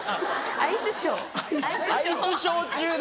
アイスショー中に。